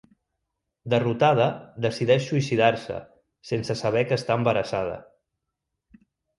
Derrotada, decideix suïcidar-se, sense saber que està embarassada.